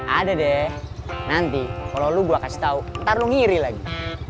ada deh nanti kalau lu gue kasih tau ntar lu ngiri lagi